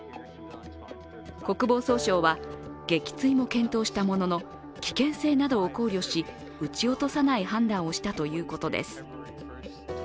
国防総省は撃墜も検討したものの、危険性などを考慮し撃ち落とさない判断をしたということです。